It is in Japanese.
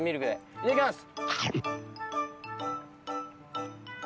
いただきます。